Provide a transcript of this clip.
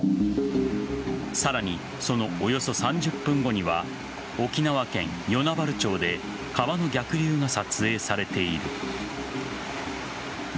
さらに、そのおよそ３０分後には沖縄県与那原町で川の逆流が撮影されている。